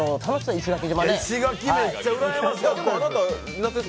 石垣島、めっちゃうらやましかったです。